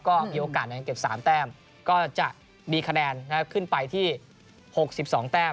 ก็มีโอกาสในการเก็บ๓แต้มก็จะมีคะแนนขึ้นไปที่๖๒แต้ม